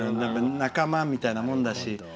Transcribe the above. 仲間みたいなものだし。